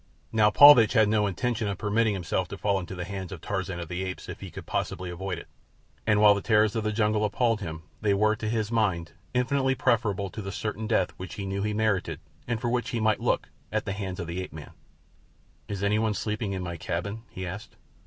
Now Paulvitch had no intention of permitting himself to fall into the hands of Tarzan of the Apes if he could possibly avoid it, and while the terrors of the jungle appalled him they were, to his mind, infinitely preferable to the certain death which he knew he merited and for which he might look at the hands of the ape man. "Is anyone sleeping in my cabin?" he asked.